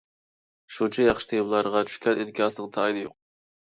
شۇنچە ياخشى تېمىلارغا چۈشكەن ئىنكاسنىڭ تايىنى يوق.